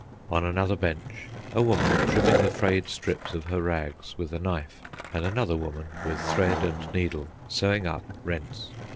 On another bench a woman trimming the frayed strips of her rags with a knife, and another woman, with thread and needle, sewing up rents.